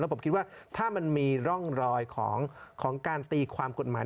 ผมคิดว่าถ้ามันมีร่องรอยของการตีความกฎหมาย